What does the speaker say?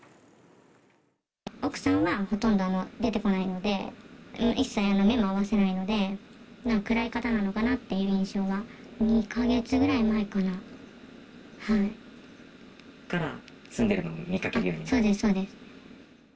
奥さんはほとんど出てこないので、一切目も合わせないので、暗い方なのかなっていう印象は。から住んでるのを見かけるよそうです、そうです。